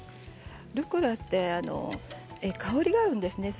ルッコラは香りがあるんです。